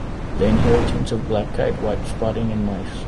The inheritance of black-eyed white spotting in mice.